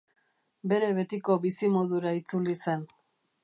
Bere betiko bizimodura itzuli zen.